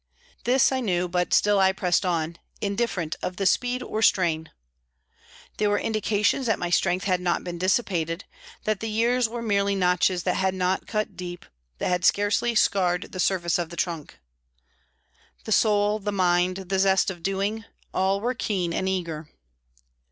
This I knew, but still I pressed on, indifferent of the speed or strain. There were indications that my strength had not been dissipated, that the years were merely notches that had not cut deep, that had scarcely scarred the surface of the trunk. The soul, the mind, the zest of doing all were keen and eager.